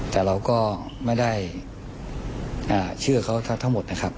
แต่เราก็ไม่ได้เชื่อเขาทั้งหมดนะครับ